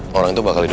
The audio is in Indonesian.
singkong tengah curiga